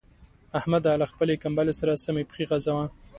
احمده! له خپلې کمبلې سره سمې پښې غځوه.